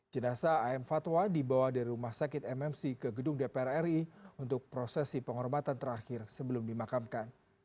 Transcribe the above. jenasa am fatwa dibawa dari rumah sakit mmc ke gedung dpr ri untuk prosesi penghormatan terakhir sebelum dimakamkan